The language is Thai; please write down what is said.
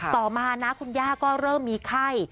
ต่อมานะคุณย่าก็เริ่มมีไข้